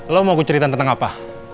lo mau cerita tentang apa